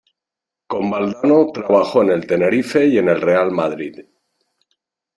Con Valdano, trabajó en el Tenerife y en el Real Madrid.